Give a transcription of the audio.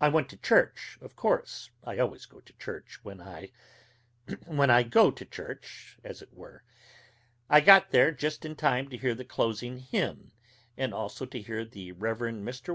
I went to church, of course, I always go to church when I when I go to church as it were. I got there just in time to hear the closing hymn, and also to hear the Rev. Mr.